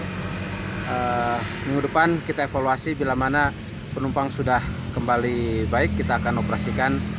minggu depan kita evaluasi bila mana penumpang sudah kembali baik kita akan operasikan